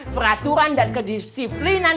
peraturan dan kedisiplinan